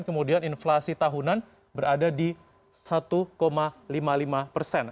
kemudian inflasi tahunan berada di satu lima puluh lima persen